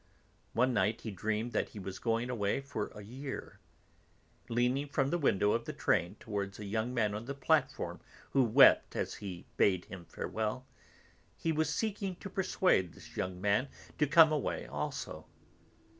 One night he dreamed that he was going away for a year; leaning from the window of the train towards a young man on the platform who wept as he bade him farewell, he was seeking to persuade this young man to come away also.